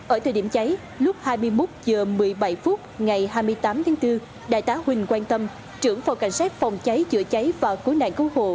ở thời điểm cháy lúc hai mươi một h một mươi bảy phút ngày hai mươi tám tháng bốn đại tá huỳnh quang tâm trưởng phòng cảnh sát phòng cháy chữa cháy và cứu nạn cứu hộ